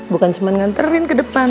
bukan cuma nganterin ke depan